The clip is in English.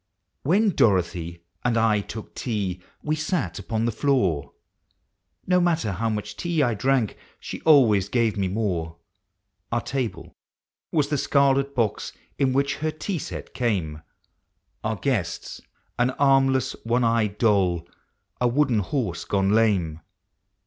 When Dorothy and 1 took tea, we sat upon the floor; No matter how much tea I drank, she always gave me more; Digitized by Google ABOUT CHILDREN. 47 Our table was the scarlet box in which her tea set came ; Our guests, au armless one eyed doll, a wooden horse gone lame.